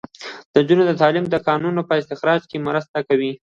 د نجونو تعلیم د کانونو په استخراج کې مرسته کوي.